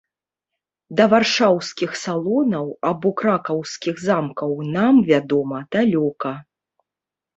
Да варшаўскіх салонаў або кракаўскіх замкаў нам, вядома, далёка.